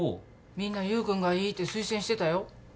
みんな優君がいいって推薦してたよ。